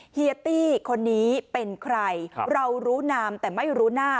เฮียตี้คนนี้เป็นใครเรารู้นามแต่ไม่รู้หน้า